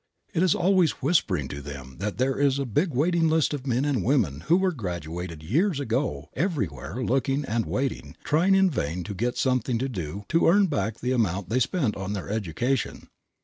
It is always whispering to them that there is a big waiting list of men and women who were graduated years ago everywhere looking and waiting, trying in vain to get something to do to earn back the amount they spent on their education.